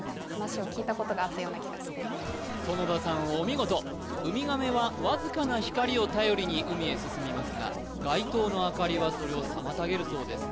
お見事ウミガメはわずかな光を頼りに海へ進みますが街灯の明かりはそれを妨げるそうです